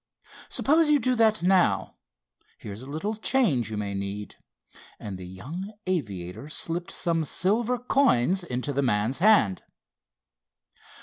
Suppose you do that now? Here's a little change you may need," and the young aviator slipped some silver coins into the man's hand.